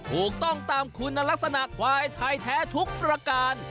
ถูกต้องตามคุณลักษณะควายไทยแท้ทุกประการ